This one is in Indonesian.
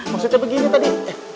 maksudnya begini tadi